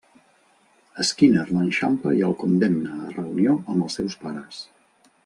Skinner l'enxampa i el condemna a reunió amb els seus pares.